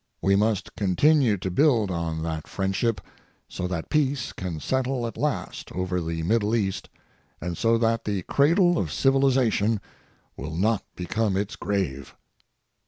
We must continue to build on that friendship so that peace can settle at last over the Middle East and so that the cradle of civilization will not become its grave.